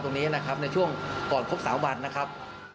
ตรงนี้นะครับในช่วงก่อนครบ๓วันนะครับ